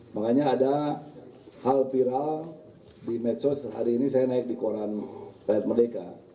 makanya ada hal viral di medsos hari ini saya naik di koran rakyat merdeka